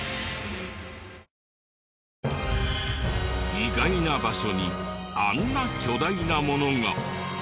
意外な場所にあんな巨大なものが。